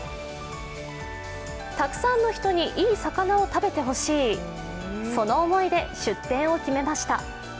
たくさんの人にいい魚を食べてほしい、その思いで出店を決めました。